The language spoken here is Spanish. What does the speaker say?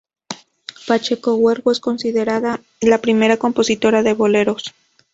Pacheco Huergo es considerada la primera compositora de boleros.